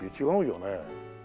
違うよね？